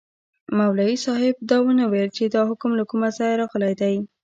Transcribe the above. مولوي صاحب دا ونه ویل چي دا حکم له کومه ځایه راغلی دی.